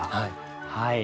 はい。